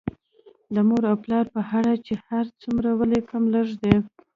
د مور او پلار په اړه چې هر څومره ولیکم لږ دي